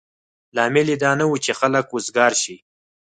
لامل یې دا نه و چې خلک وزګار شي.